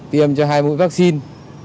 tiêm cho hai mũi vaccine